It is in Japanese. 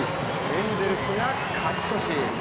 エンゼルスが勝ち越し。